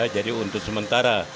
jadi untuk sementara